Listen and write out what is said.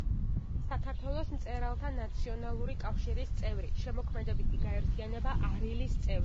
საქართველოს მწერალთა ნაციონალური კავშირის წევრი, შემოქმედებითი გაერთიანება „არილის“ წევრი.